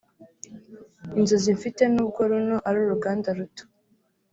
Inzozi mfite nubwo runo ari uruganda ruto